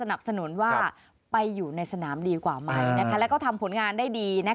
ในสนามดีกว่าใหม่และก็ทำผลงานได้ดี